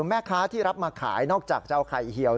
แม่ค้าที่รับมาขายนอกจากจะเอาไข่เหี่ยว